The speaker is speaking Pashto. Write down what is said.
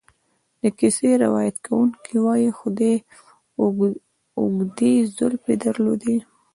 د کیسې روایت کوونکی وایي خدۍ اوږدې زلفې درلودې.